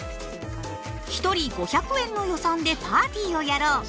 １人５００円の予算でパーティーをやろう！